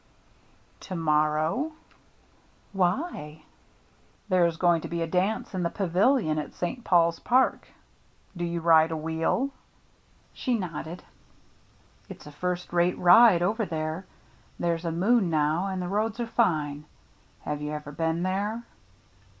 " To morrow ?" "Why?" THE NEW MATE 67 " There's going to be a dance in the pavilion at St. Paul's Park. Do you ride a wheel ?" She nodded. "It's a first rate ride over there. There's a moon now, and the roads are fine. Have you ever been there